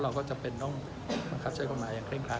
เราก็จำเป็นต้องบังคับใช้กฎหมายอย่างเร่งครั